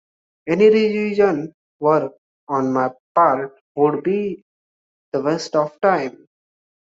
Any revision work on my part would be a waste of time.